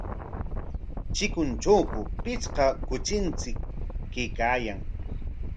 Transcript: ¿Chikuntrawku pichqa kuchinchik kaykaayan?